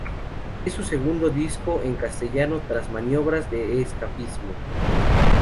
Es su segundo disco en castellano tras "Maniobras de escapismo".